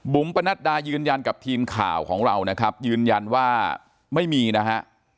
ปนัดดายืนยันกับทีมข่าวของเรานะครับยืนยันว่าไม่มีนะฮะ